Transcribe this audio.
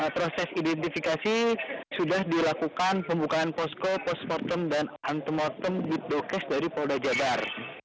proses identifikasi sudah dilakukan pembukaan posko posmortem dan antemortem di dokes dari polda jadar